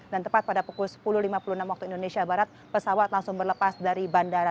dan tepat pada pukul sepuluh lima puluh enam waktu indonesia barat pesawat langsung berlepas dari bandara